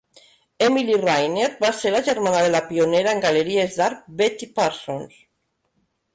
Emily Rayner va ser la germana de la pionera en galeries d'art Betty Parsons.